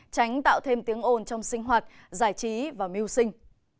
tránh tạo thêm tiếng ồn trong sinh hoạt giải trí và mưu sinh